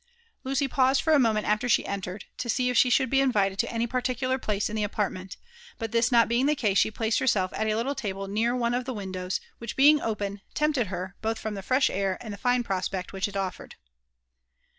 Lucy paused for a momenl afler she entered, to see if she should^ invited to any pHrticiilar place in the apartment : l»ut this not being the case, she.pla4H>d iK^rself at a little table near one of the windows, wliieh being open, tempted her, both froni the fresh air and fine prospect which i I oflered.